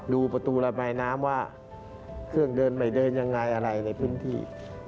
ประตูระบายน้ำว่าเครื่องเดินไม่เดินยังไงอะไรในพื้นที่